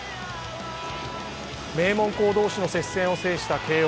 名門校同士の接戦を制した慶応。